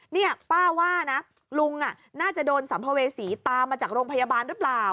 นี่ป้าว่านะลุงน่าจะโดนสัมภเวษีตามมาจากโรงพยาบาลหรือเปล่า